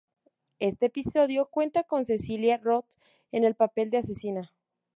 Este episodio cuenta con Cecilia Roth, en el papel de asesina.